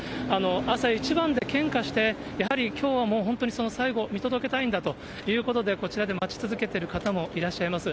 朝一番で献花して、やはりきょうはもう本当に最後、見届けたいんだということで、こちらで待ち続けてる方もいらっしゃいます。